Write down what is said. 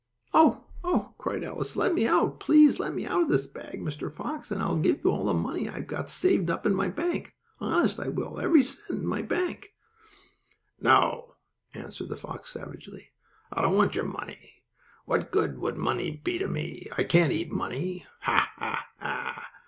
"Oh! Oh!" cried Alice. "Let me out! Please let me out of this bag, Mr. Fox, and I'll give you all the money I've got saved up in my bank! Honest, I will; every cent in my bank!" "No," answered the fox savagely. "I don't want your money. What good would money be to me? I can't eat money! Ha! ha! ha!"